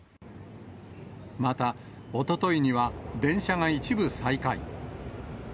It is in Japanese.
また、おとといには電車が一部再開。